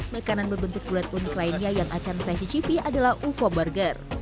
makanan berbentuk bulat unik lainnya yang akan saya cicipi adalah ufo burger